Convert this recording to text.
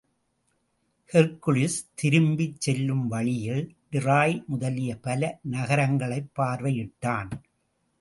Hercules திரும்பிச் செல்லும் வழியில் டிராய் முதலிய பல நகரங்களைப் பார்வையிட்டான்.